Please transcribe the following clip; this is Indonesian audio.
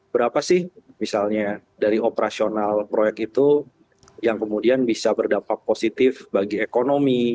berapa sih misalnya dari operasional proyek itu yang kemudian bisa berdampak positif bagi ekonomi